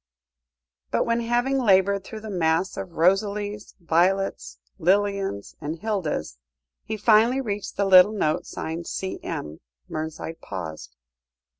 But when, having laboured through the mass of "Rosalies," "Violets," "Lilians," and "Hildas," he finally reached the little note signed "C.M.," Mernside paused.